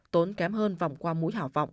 tốn kém hơn vòng qua mũi hảo vọng